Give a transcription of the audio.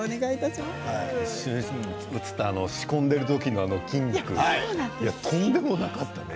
仕込んでいる時の筋肉とんでもなかったね。